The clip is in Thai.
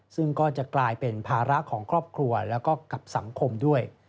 ซึ่งก็จะกลายเป็นภาระของครอบครัวแล้วก็กับสังคมด้วย